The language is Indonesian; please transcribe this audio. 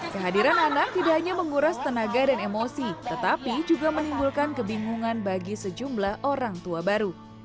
kehadiran anak tidak hanya menguras tenaga dan emosi tetapi juga menimbulkan kebingungan bagi sejumlah orang tua baru